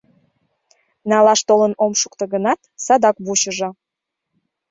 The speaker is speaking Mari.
Налаш толын ом шукто гынат, садак вучыжо.